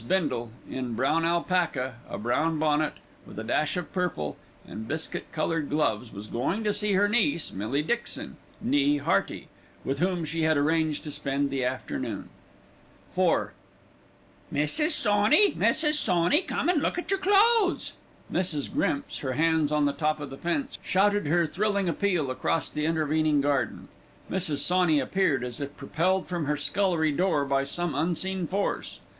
Bindle, in brown alpaca, a brown bonnet with a dash of purple, and biscuit coloured gloves, was going to see her niece, Millie Dixon, née Hearty, with whom she had arranged to spend the afternoon. IV "Mrs. Sawney! Mrs. Sawney! Come and look at your clothes!" Mrs. Grimps, her hands on the top of the fence, shouted her thrilling appeal across the intervening garden. Mrs. Sawney appeared, as if propelled from her scullery door by some unseen force.